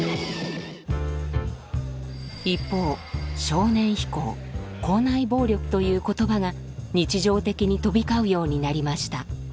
一方少年非行校内暴力という言葉が日常的に飛び交うようになりました。